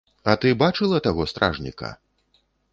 А ты бачыла таго стражніка?